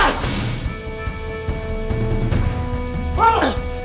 sama dia malu